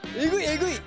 えぐい？